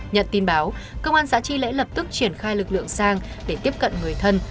nhận tin báo công an xã tri lễ lập tức triển khai lực lượng sang để tiếp cận người thân